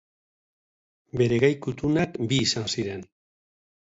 Bere gai kutunak bi izan ziren.